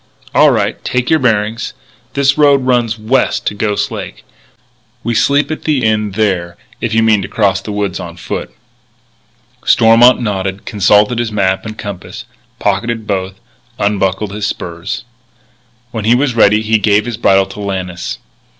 "All right. Take your bearings. This road runs west to Ghost Lake. We sleep at the Inn there if you mean to cross the woods on foot." Stormont nodded, consulted his map and compass, pocketed both, unbuckled his spurs. When he was ready he gave his bridle to Lannis.